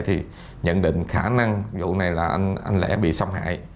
thì nhận định khả năng vụ này là anh lẽ bị xâm hại